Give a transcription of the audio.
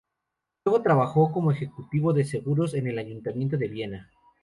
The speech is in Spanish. Luego trabajó como ejecutivo de seguros en el Ayuntamiento de Viena.